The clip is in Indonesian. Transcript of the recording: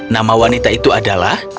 nama wanita itu adalah